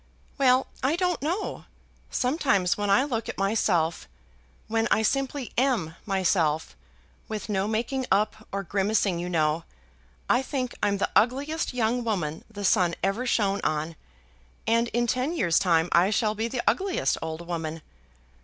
"Well, I don't know. Sometimes when I look at myself, when I simply am myself, with no making up or grimacing, you know, I think I'm the ugliest young woman the sun ever shone on. And in ten years' time I shall be the ugliest old woman.